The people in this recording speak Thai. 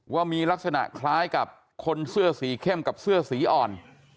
ว่ามีลักษณะคล้ายกับคนเสื้อสีเข้มกับเสื้อสีอ่อน